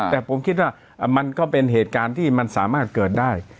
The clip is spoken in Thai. แต่ผมคิดว่ามันก็เป็นเหตุการณ์ที่มันสามารถเกิดได้